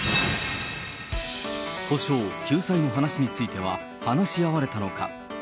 補償・救済の話については話し合われたのか。